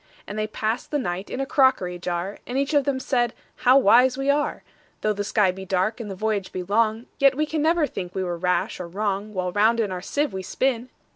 And they pass'd the night in a crockery jar; And each of them said, "How wise we are! Though the sky be dark, and the voyage be long, Yet we never can think we were rash or wrong, While round in our sieve we spin."